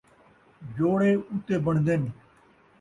جوڑے اُتے بݨدن